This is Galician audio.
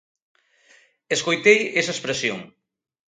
Escoitei esa expresión.